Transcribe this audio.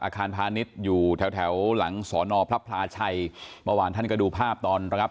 พาณิชย์อยู่แถวแถวหลังสอนอพระพลาชัยเมื่อวานท่านก็ดูภาพตอนระงับ